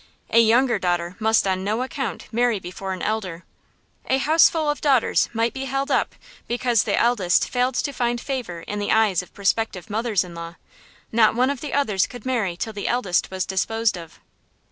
A younger daughter must on no account marry before an elder. A houseful of daughters might be held up because the eldest failed to find favor in the eyes of prospective mothers in law; not one of the others could marry till the eldest was disposed of.